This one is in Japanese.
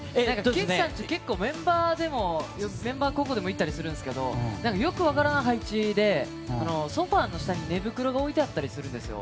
岸さんちって結構メンバーでも行ったりするんですけど良く分からない配置でソファの下に寝袋が置いてあったりするんですよ。